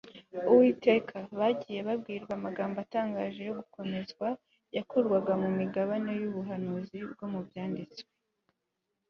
uwiteka, bagiye babwirwa amagambo atangaje yo gukomezwa yakurwaga mu migabane y'ubuhanuzi bwo mu byanditswe